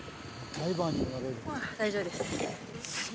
大丈夫です